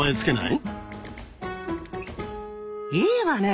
いいわね。